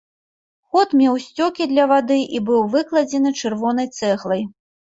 Ход меў сцёкі для вады і быў выкладзены чырвонай цэглай.